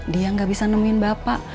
dia gak bisa nemuin bapak